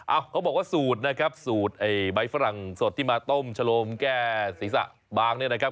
เขาบอกว่าสูตรนะครับสูตรไอ้ใบฝรั่งสดที่มาต้มชะโลมแก้ศีรษะบางเนี่ยนะครับ